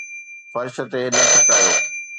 فرش تي نه ٿڪايو